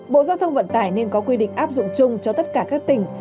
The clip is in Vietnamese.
bộ giao thông vận tải nên có quy định áp dụng chung cho tất cả các tỉnh